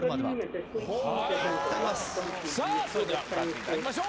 さあそれでは歌っていただきましょう。